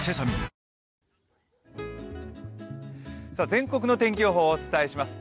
全国の天気予報をお伝えします。